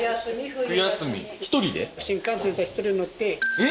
えっ？